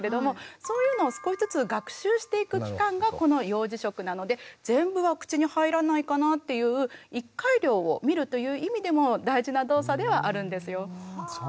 そういうのを少しずつ学習していく期間がこの幼児食なので全部は口に入らないかなっていう１回量を見るという意味でも大事な動作ではあるんですよ。